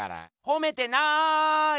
ほめてない！